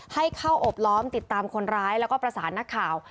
ให้เข้าอบล้อมติดตามคนร้ายแล้วก็ประสานนักข่าว